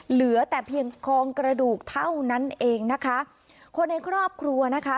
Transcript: เหลือแต่เพียงโครงกระดูกเท่านั้นเองนะคะคนในครอบครัวนะคะ